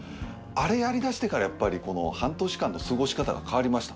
あれやり出してからやっぱりこの半年間の過ごし方が変わりました。